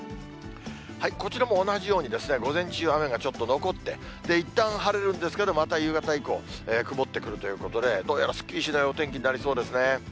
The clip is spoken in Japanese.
こちらも同じように午前中、雨がちょっと残って、いったん晴れるんですけど、また夕方以降、曇ってくるということで、どうやらすっきりしないお天気になりそうですね。